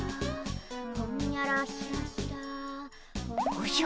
おじゃ？